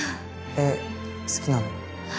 絵好きなの？